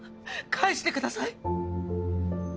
返してください